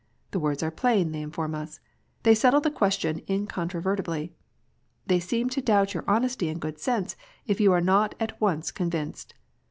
The words are plain, they inform us ! They settle the question incontrovertibly ! They seem to doubt your honesty and good sense, if you are not at once convinced.